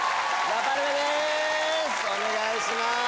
お願いします。